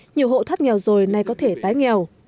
nhiều hộ thắt nghèo rồi nay có thể tái nghèo